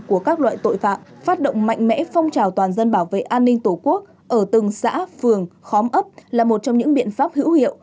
của các loại tội phạm phát động mạnh mẽ phong trào toàn dân bảo vệ an ninh tổ quốc ở từng xã phường khóm ấp là một trong những biện pháp hữu hiệu